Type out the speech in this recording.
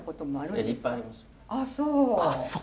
あっそう。